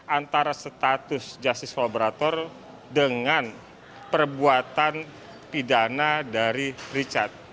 antara status justice collaborator dengan perbuatan pidana dari richard